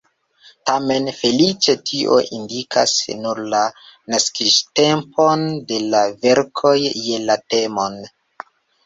Tamen feliĉe tio indikas nur la naskiĝtempon de la verkoj, ne la temon.